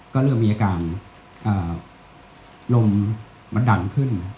ก็เริ่มมีอาการลมมันดังขึ้น